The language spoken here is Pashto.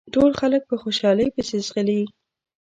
ټول خلک په خوشحالۍ پسې ځغلي.